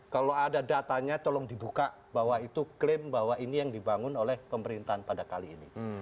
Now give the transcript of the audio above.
kalau ada datanya tolong dibuka bahwa itu klaim bahwa ini yang dibangun oleh pemerintahan pada kali ini